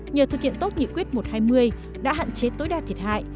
nhờ thực hiện tốt nghị quyết một trăm hai mươi đã hạn chế tối đa thiệt hại